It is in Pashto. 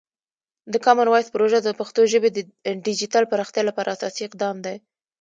د کامن وایس پروژه د پښتو ژبې د ډیجیټل پراختیا لپاره اساسي اقدام دی.